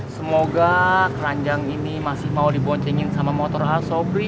semoga keranjang ini masih mau diboncengin sama motor asobri